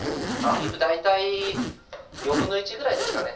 オリーブ大体1/4ぐらいですかね。